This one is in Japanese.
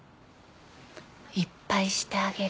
いっぱいしてあげる。